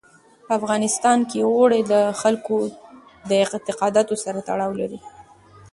په افغانستان کې اوړي د خلکو د اعتقاداتو سره تړاو لري.